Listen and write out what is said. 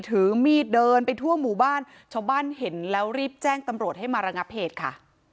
ถือมีดเดินไปทั่วหมู่บ้านชาวบ้านเห็นแล้วรีบแจ้งตำรวจให้มาระงับเหตุค่ะ